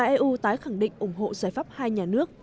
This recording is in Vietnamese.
eu tái khẳng định ủng hộ giải pháp hai nhà nước